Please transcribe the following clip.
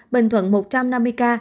bình thuận một trăm năm mươi ca